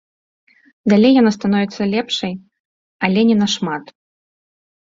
Далей яна становіцца лепшай, але не нашмат.